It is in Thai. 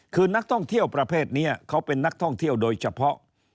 คือนักท่องเที่ยวประเภทนี้เขาเป็นนักท่องเที่ยวโดยเฉพาะ